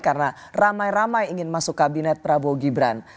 karena ramai ramai ingin masuk kabinet prabowo gibran